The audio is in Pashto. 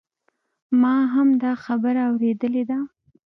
ما هم دا خبره اوریدلې ده